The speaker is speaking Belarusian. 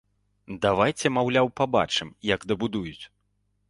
Давайце, маўляў, пабачым, як дабудуюць.